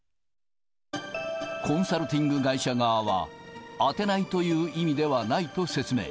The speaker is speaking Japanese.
コンサルティング会社側は当てないという意味ではないと説明。